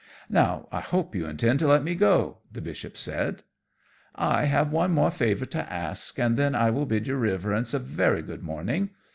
"Now I hope you intend to let me go," the Bishop said. "I have one more favour to ask, and then I will bid your Riverence a very good morning.